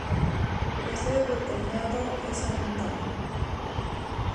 La sede del condado es Allentown.